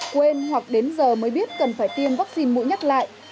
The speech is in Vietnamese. quên hoặc đến giờ mới biết cần phải tiêm vaccine mũi nhắc lại